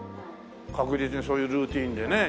確実にそういうルーティンでね